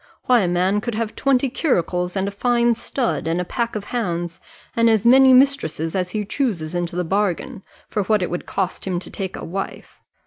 Why, a man could have twenty curricles, and a fine stud, and a pack of hounds, and as many mistresses as he chooses into the bargain, for what it would cost him to take a wife.